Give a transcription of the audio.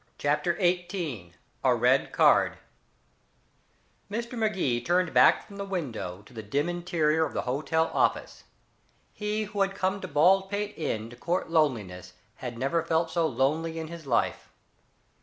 CHAPTER XVIII A RED CARD Mr. Magee turned back from the window to the dim interior of the hotel office. He who had come to Baldpate Inn to court loneliness had never felt so lonely in his life.